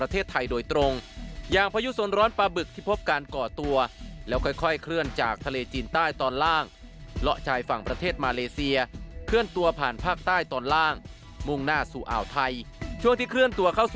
ติดตามจากรายงานครับ